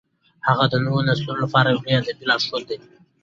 هغه د نوو نسلونو لپاره یو لوی ادبي لارښود دی.